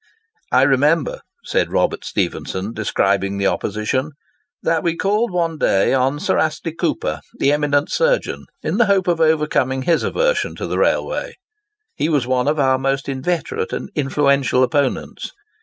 "I remember," said Robert Stephenson, describing the opposition, "that we called one day on Sir Astley Cooper, the eminent surgeon, in the hope of overcoming his aversion to the railway. He was one of our most inveterate and influential opponents.